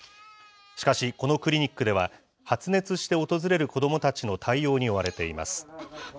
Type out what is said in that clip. しかし、このクリニックでは発熱して訪れる子どもたちの対応に追われています。